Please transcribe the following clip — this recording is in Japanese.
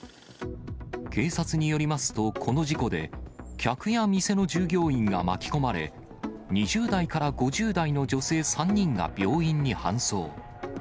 警察によりますと、この事故で、客や店の従業員が巻き込まれ、２０代から５０代の女性３人が病院に搬送。